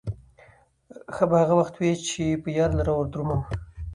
ښه به هغه وخت وي، چې به يار لره وردرومم